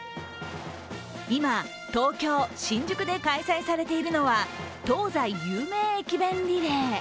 今、東京・新宿で開催されているのは東西有名駅弁リレー。